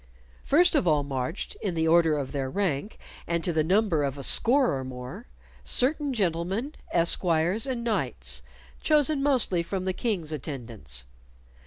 First of all marched, in the order of their rank, and to the number of a score or more, certain gentlemen, esquires and knights, chosen mostly from the King's attendants.